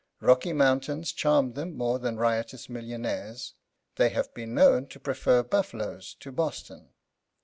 Rocky Mountains charm them more than riotous millionaires; they have been known to prefer buffaloes to Boston.